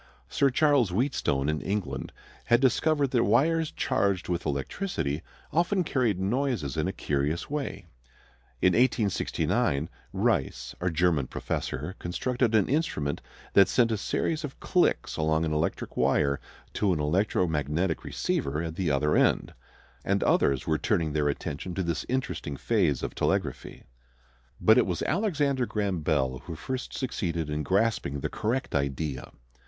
Sir Charles Wheatstone in England had discovered that wires charged with electricity often carried noises in a curious way. In 1869 Reis, a German professor, constructed an instrument that sent a series of clicks along an electric wire to an electromagnetic receiver at the other end. And others were turning their attention to this interesting phase of telegraphy. But it was Alexander Graham Bell who first succeeded in grasping the correct idea.